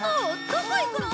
どこ行くの？